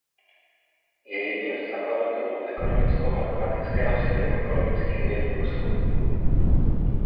Je jedním ze zakladatelů ekonomicko matematického směru ekonomických věd v Rusku.